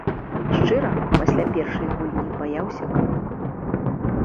Шчыра, пасля першай гульні баяўся крыху.